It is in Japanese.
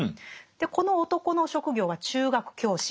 でこの男の職業は中学教師。